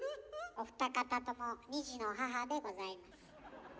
お二方とも２児の母でございます。